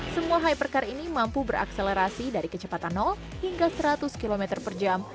semua hypercar ini mampu berakselerasi dari kecepatan hingga seratus km per jam